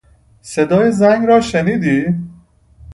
صدای زنگ را شنیدی؟